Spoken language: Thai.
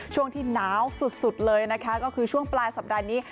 ช่วงที่หนาวสุดเลยนะคะก็คือช่วงปลายสัปดาห์นี้